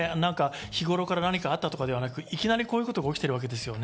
日頃から何かあったわけではなく、いきなりこういうことが起きている。